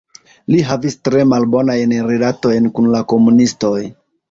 Li havis tre malbonajn rilatojn kun la komunistoj.